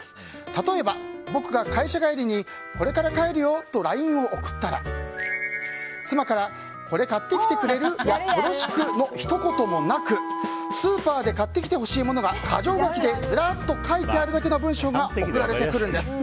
例えば、僕が会社帰りにこれから帰るよとＬＩＮＥを送ったら妻からこれ買ってきてくれる？やよろしくのひと言もなくスーパーで買ってきてほしいものが箇条書きでずらっと書いてあるだけの文章が送られてくるんです。